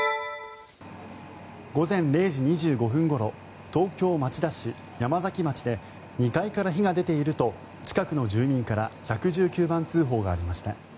午前０時２５分ごろ東京・町田市山崎町で２階から火が出ていると近くの住民から１１９番通報がありました。